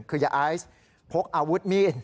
คืออย่าพกอาวุธมีด